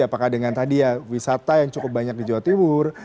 apakah dengan tadi ya wisata yang cukup banyak di jawa timur